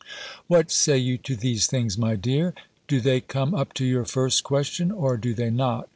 What say you to these things, my dear? Do they come up to your first question? or do they not?